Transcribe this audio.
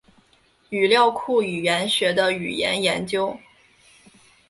语料库语言学的语言研究。